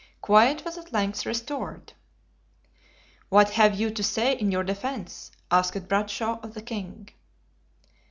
Quiet was at length restored. "What have you to say in your defense?" asked Bradshaw of the king.